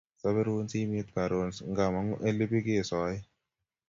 Sabiruun simet karoon ngamangu eng olepikesoe